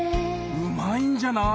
うまいんじゃない？